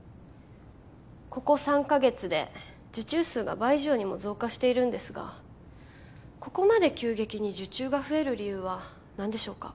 ここ３ヵ月で受注数が倍以上にも増加しているんですがここまで急激に受注が増える理由は何でしょうか？